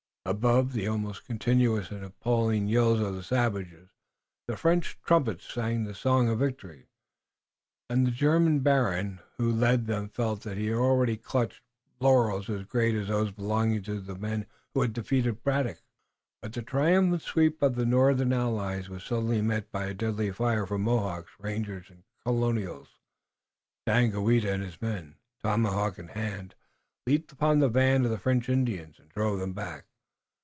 Above the almost continuous and appalling yells of the savages the French trumpets sang the song of victory, and the German baron who led them felt that he already clutched laurels as great as those belonging to the men who had defeated Braddock. But the triumphant sweep of the Northern allies was suddenly met by a deadly fire from Mohawks, rangers and Colonials. Daganoweda and his men, tomahawk in hand, leaped upon the van of the French Indians and drove them back.